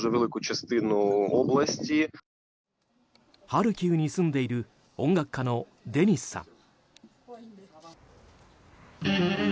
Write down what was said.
ハルキウに住んでいる音楽家のデニスさん。